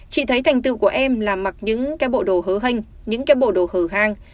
chị thấy thành tựu của em là mặc những cái bộ đồ hớ hênh những cái bộ đồ hở hang